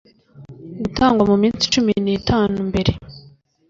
gutangwa mu minsi cumi n itanu mbere